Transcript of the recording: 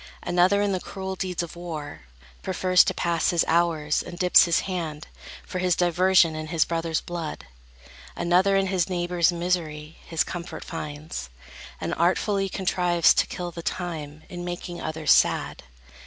Another in the cruel deeds of war Prefers to pass his hours, and dips his hand, For his diversion, in his brother's blood: Another in his neighbor's misery His comfort finds, and artfully contrives To kill the time, in making others sad.